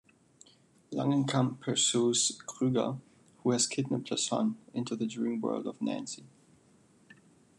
Langenkamp pursues "Krueger", who has kidnapped her son, into the dream world as "Nancy".